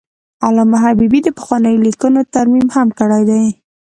علامه حبیبي د پخوانیو لیکنو ترمیم هم کړی دی.